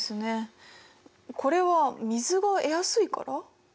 これは水が得やすいから？